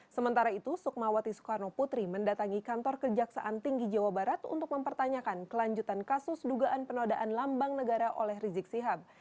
sementara itu sukmawati soekarno putri mendatangi kantor kejaksaan tinggi jawa barat untuk mempertanyakan kelanjutan kasus dugaan penodaan lambang negara oleh rizik sihab